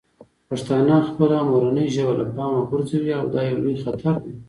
پښتانه خپله مورنۍ ژبه له پامه غورځوي او دا یو لوی خطر دی.